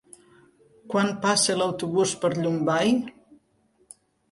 Quan passa l'autobús per Llombai?